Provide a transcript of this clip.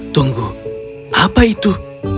tunggu apa itu